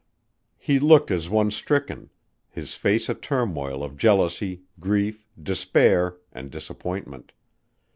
He looked as one stricken, his face a turmoil of jealousy, grief, despair, and disappointment.